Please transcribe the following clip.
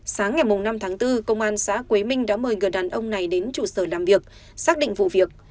sáng ngày năm tháng bốn công an xã quế minh đã mời người đàn ông này đến trụ sở làm việc xác định vụ việc